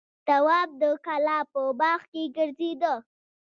تواب د کلا په باغ کې ګرځېده.